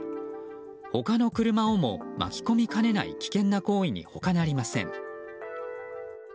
他の車をも巻き込みかねない危険な行為に他なりません。